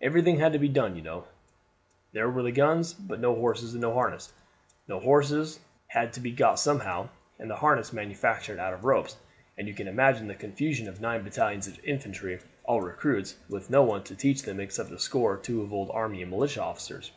"Everything had to be done, you know. There were the guns, but no horses and no harness. The horses had to be got somehow, and the harness manufactured out of ropes; and you can imagine the confusion of nine battalions of infantry, all recruits, with no one to teach them except a score or two of old army and militia officers.